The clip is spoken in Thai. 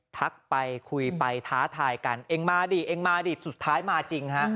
ทักไปคุยไปท้าทายกันเองมาดิเองมาดิสุดท้ายมาจริงฮะ